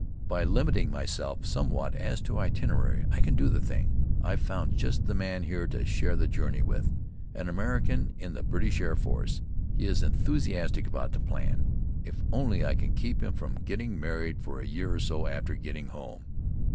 By limiting myself somewhat as to itinerary I can do the thing. I've found just the man here to share the journey with, an American in the British Air Force. He is enthusiastic about the plan. If only I can keep him from getting married for a year or so after getting home!